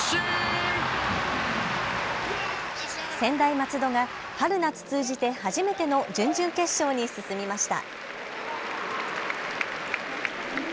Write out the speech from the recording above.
専大松戸が春夏通じて初めての準々決勝に進みました。